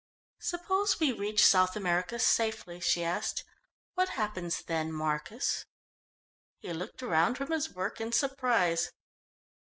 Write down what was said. "Suppose we reach South America safely?" she asked. "What happens then, Marcus?" He looked round from his work in surprise.